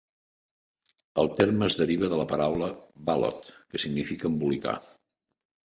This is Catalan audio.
El terme es deriva de la paraula "balot" que significa "embolicar".